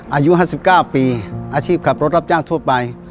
อายุ๕๙ปีอาชีพขับรถรับจ้างทั่วไป